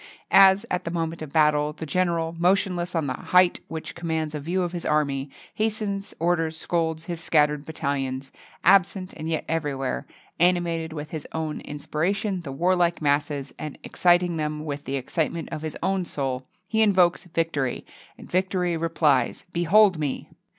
As, at the moment of battle, the general, motionless on a height which commands a view of his army, hastens, orders, scolds his scattered battalions, absent and yet everywhere, animating with his own inspiration the warlike masses, and exciting them with the excitement of his own soul, he invokes victory, and victory replies, "Behold me!"